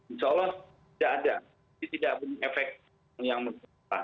insya allah tidak ada efek yang menyebabkan